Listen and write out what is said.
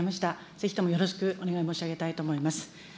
ぜひともよろしくお願い申し上げたいと思います。